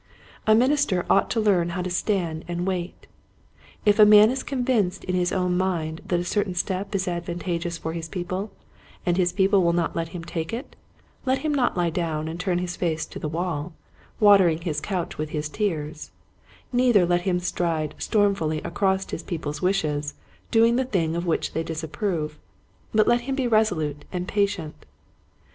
A minister ought to learn how to stand and wait. If a man is x:onvinced in his own mind that a certain step is advantageous for his people, and his people will not let him take it, let him not lie down and turn his face to the wall, watering his couch with his tears, neither let him stride stormfully across his people's wishes doing the thing of which they disapprove, but let him be resolute and patient.